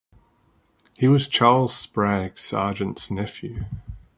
He was Charles Sprague Sargent's nephew.